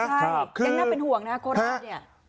ใช่ยังน่าเป็นห่วงนะโคราชเนี่ย